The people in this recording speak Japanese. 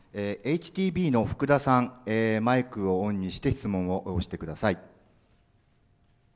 ＨＴＢのふくださん、マイクをオンにして質問をしてください。